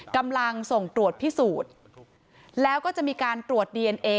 กำลังส่งตรวจพิสูจน์แล้วก็จะมีการตรวจดีเอนเอ